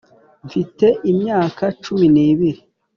mfite imyaka cumi n'ibiri